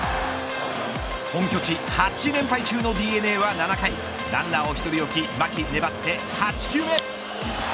本拠地８連敗中のＤＮＡは７回ランナーを１人置き牧、粘って８球目。